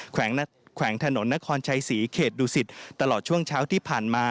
แขวงถนนนครชัยศรีเขตดุสิตตลอดช่วงเช้าที่ผ่านมา